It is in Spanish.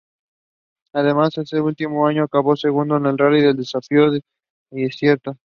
Además este último año acabó segundo en el Rally Desafío del Desierto.